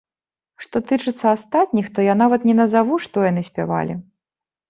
Што тычыцца астатніх, то я нават не назаву, што яны спявалі.